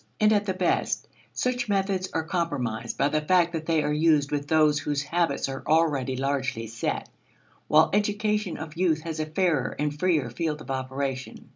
And at the best, such methods are compromised by the fact they are used with those whose habits are already largely set, while education of youth has a fairer and freer field of operation.